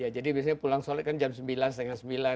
jadi biasanya pulang sholat kan jam sembilan setengah sembilan